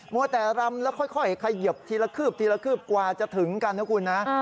วัวแต่รำแล้วค่อยเขยิบทีละคืบทีละคืบกว่าจะถึงกันนะคุณนะ